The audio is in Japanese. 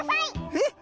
えっ？